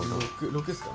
６っすか。